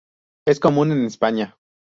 Es común en España.